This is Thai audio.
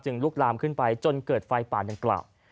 ลุกลามขึ้นไปจนเกิดไฟป่าดังกล่าว